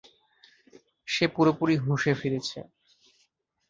সে পুরোপুরি হুঁশে ফিরেছে!